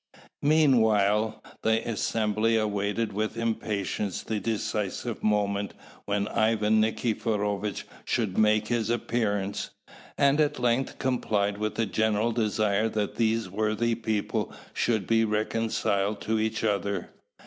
Meanwhile, the assembly awaited with impatience the decisive moment when Ivan Nikiforovitch should make his appearance and at length comply with the general desire that these worthy people should be reconciled to each other.